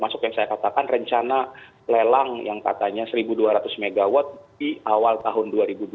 masuk yang saya katakan rencana lelang yang katanya seribu dua ratus mw di awal tahun dua ribu dua puluh